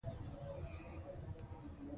زه به یې وږم اوږغ دواړه لکه دوه سپیڅلي،